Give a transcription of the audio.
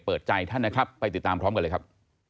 เปิดใจท่านนะครับไปติดตามพร้อมกันเลยครับ